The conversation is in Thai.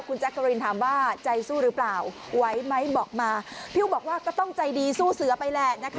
แจ๊กกะรินถามว่าใจสู้หรือเปล่าไหวไหมบอกมาพี่อุ๋บอกว่าก็ต้องใจดีสู้เสือไปแหละนะคะ